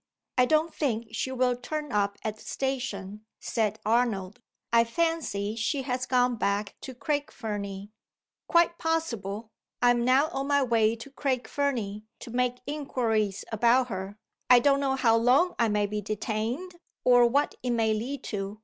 "I don't think she will turn up at the station," said Arnold. "I fancy she has gone back to Craig Fernie." "Quite possible. I am now on my way to Craig Fernie, to make inquiries about her. I don't know how long I may be detained, or what it may lead to.